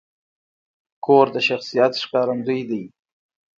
کور د شخصیت ښکارندوی دی.